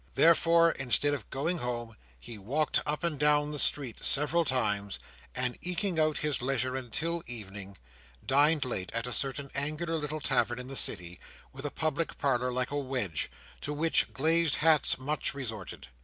Therefore, instead of going home, he walked up and down the street several times, and, eking out his leisure until evening, dined late at a certain angular little tavern in the City, with a public parlour like a wedge, to which glazed hats much resorted.